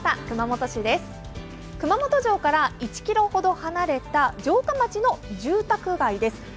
熊本城から１ｋｍほど離れた城下町の住宅街です。